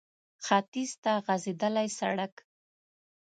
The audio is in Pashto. ختيځ ته غځېدلی سړک